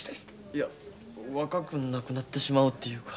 いや若くなくなってしまうっていうか。